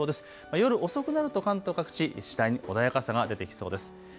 夜遅くなると関東各地次第に穏やかさが出てきそうです。